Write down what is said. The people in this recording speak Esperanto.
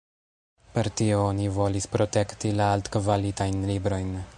Per tio oni volis protekti la altkvalitajn librojn.